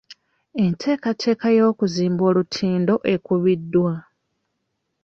Enteekateeka y'okuzimba olutindo ekubiddwa.